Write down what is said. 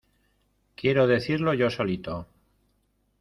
¡Quiero decidirlo yo solito!